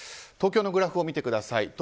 東京のグラフを見てください。